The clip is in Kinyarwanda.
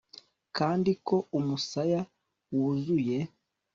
Kandi ko umusaya wuzuye